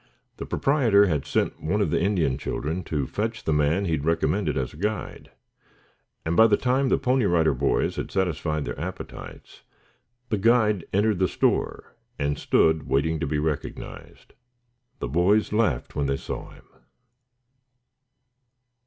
The proprietor had sent one of the Indian children to fetch the man he had recommended as a guide, and by the time the Pony Rider Boys had satisfied their appetites, the guide entered the store and stood waiting to be recognized. The boys laughed when they saw him.